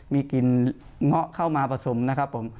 มีกลิ่นเงาะเข้ามาผสมนะครับผม